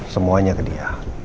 semuanya ke dia